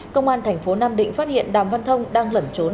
công an thành phố nam định phát hiện đàm văn thông đang lẩn trốn